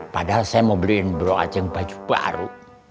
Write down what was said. padahal saya mau beliin bro aja yang baju pak aru